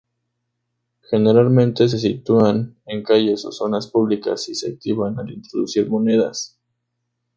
Generalmente se sitúan en calles o zonas públicas y se activan al introducir monedas.